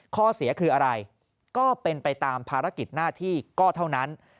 ข้อเสียคืออะไรก็เป็นไปตามภารกิจหน้าที่ก็เท่านั้น